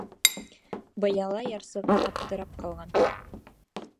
Быяла ярсығы аптырап ҡалған.